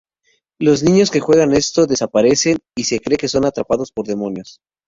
Los niños que juegan esto desaparecen, y se cree que son atrapados por demonios.